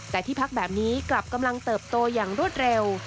แต่ที่พักแบบนี้กลับกำลังเติบโตอย่างรวดเร็ว